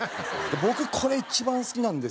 僕これ一番好きなんですけども。